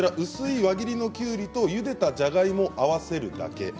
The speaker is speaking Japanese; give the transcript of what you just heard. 薄い輪切りのきゅうりとゆでたじゃがいもを合わせるだけ。